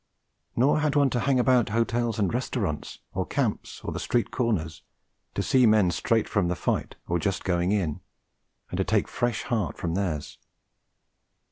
Nor had one to hang about hotels and restaurants, or camps or the street corners, to see men straight from the fight or just going in, and to take fresh heart from theirs.